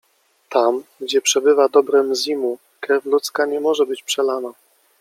Tam, gdzie przebywa dobre Mzimu, krew ludzka nie może być przelana.